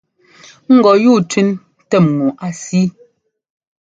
Ŋgɔ yúu tẅín tɛ́m ŋu á síi.